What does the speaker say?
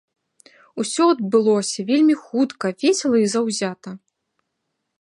Усё адбылося вельмі хутка, весела і заўзята.